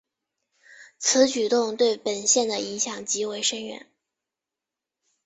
此举动对本线的影响极为深远。